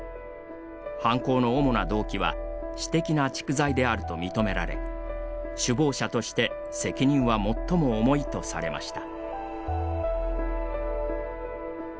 「犯行の主な動機は私的な蓄財であると認められ主謀者として責任は最も重い」とされました。